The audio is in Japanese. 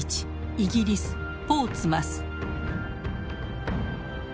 イギリスポーツマス。